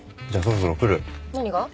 何が？